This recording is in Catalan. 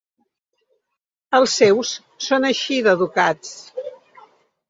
Els seus són així d’educats.